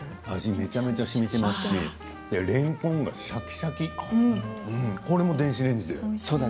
めちゃめちゃ味がしみていますしれんこんはシャキシャキこれも電子レンジ？